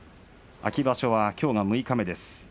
秋場所はきょうが六日目です。